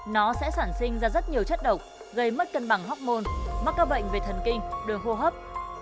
nó sẽ sản sinh ra rất nhiều chất độc gây mất cân bằng hóc môn mắc các bệnh về thần kinh đường hô hấp